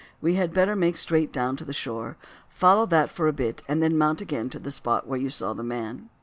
"We had better make straight down to the shore, follow that for a bit, and then mount again to the spot where you saw the man."